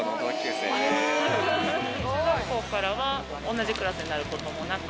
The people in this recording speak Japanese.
中学校から同じクラスになることもなく。